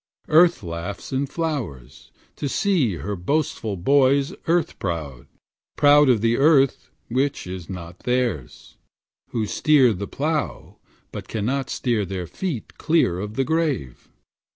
Earth laughs in flowers, to see her boastful boys Earth proud, proud of the earth which is not theirs; Who steer the plough, but cannot steer their feet Clear of the grave.